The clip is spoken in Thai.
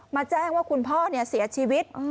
มาแจ้งว่าคุณพ่อเนี่ยเสียชีวิต